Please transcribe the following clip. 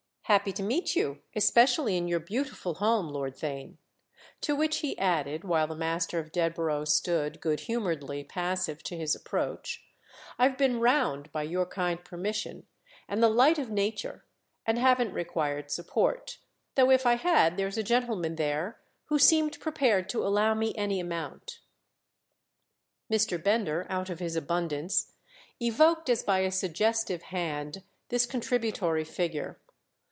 "Happy to meet you—especially in your beautiful home, Lord Theign." To which he added while the master of Dedborough stood good humouredly passive to his approach: "I've been round, by your kind permission and the light of nature, and haven't required support; though if I had there's a gentleman there who seemed prepared to allow me any amount." Mr. Bender, out of his abundance, evoked as by a suggestive hand this contributory figure.